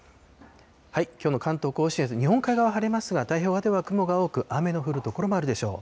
きょうの関東甲信越、日本海側晴れますが、太平洋側では雲が多く、雨の降る所もあるでしょう。